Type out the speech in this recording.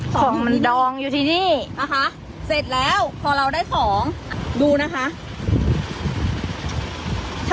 ของมันดองอยู่ที่นี่พอเราได้ของเข้าลั่วดูนะคะ